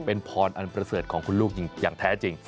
เป็นพรอันประเสริฐของคุณลูกอย่างแท้จริง